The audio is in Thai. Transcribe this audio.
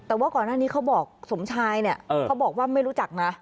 แต่ว่าก่อนหน้านี้เขาบอกสมชายเนี่ยเขาบอกว่าไม่รู้จักนะ